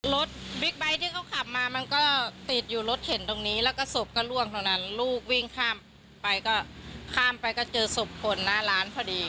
รถบิ๊กไบท์ที่เขาขับมามันก็ติดอยู่รถเข็นตรงนี้แล้วก็ศพก็ล่วงตรงนั้นลูกวิ่งข้ามไปก็ข้ามไปก็เจอศพคนหน้าร้านพอดี